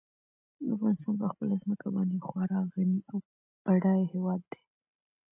افغانستان په خپله ځمکه باندې خورا غني او بډای هېواد دی.